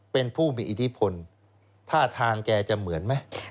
เป็นผู้มีอิทธิพลท่าทางแกจะเหมือนไหม